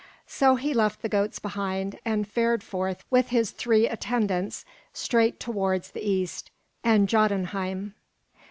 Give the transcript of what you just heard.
So he left the goats behind, and fared forth with his three attendants straight towards the east and Jotunheim.